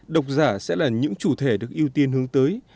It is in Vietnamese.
độc giả sẽ là những chủ thể được ưu tiên hướng tới